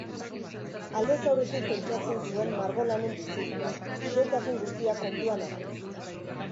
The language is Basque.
Aldez aurretik pentsatzen zuen margolanen diseinua, xehetasun guztiak kontuan hartuz.